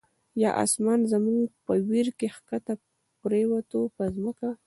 یا آسمان زموږ په ویر کی، ښکته پر یووته په ځمکه